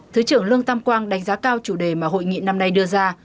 thứ trưởng lương tam quang đánh giá cao chủ đề mà hội nghị năm nay đưa ra